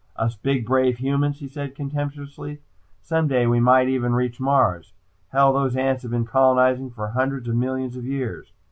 "Us big brave humans," he said contemptuously. "Someday we might even reach Mars. Hell, those ants have been colonizing for hundreds of millions of years.